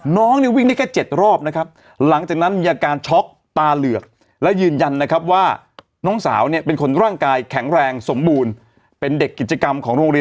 น้องเนี่ยวิ่งได้แค่๗รอบนะครับหลังจากนั้นมีอาการช็อกตาเหลือก